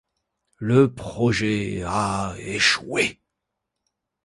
Le projet a échoué.